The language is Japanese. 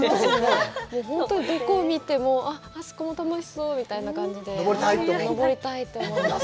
本当にどこを見てもあそこも楽しそうみたいな感じで登りたいと思いました。